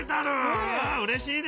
うんうれしいね！